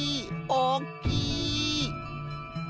おっきい！